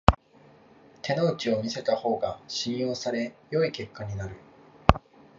手の内を見せた方が信用され良い結果になる